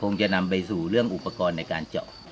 จะนำไปสู่เรื่องอุปกรณ์ในการเจาะ